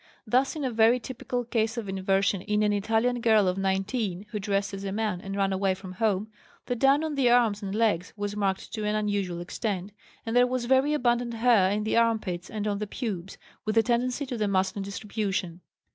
Thus in a very typical case of inversion in an Italian girl of 19 who dressed as a man and ran away from home, the down on the arms and legs was marked to an unusual extent, and there was very abundant hair in the armpits and on the pubes, with a tendency to the masculine distribution.